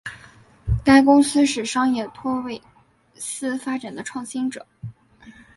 该公司是商业托拉斯发展的创新者。